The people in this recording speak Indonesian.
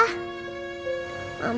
kamu juga nanti